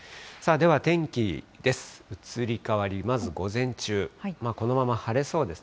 では天気です。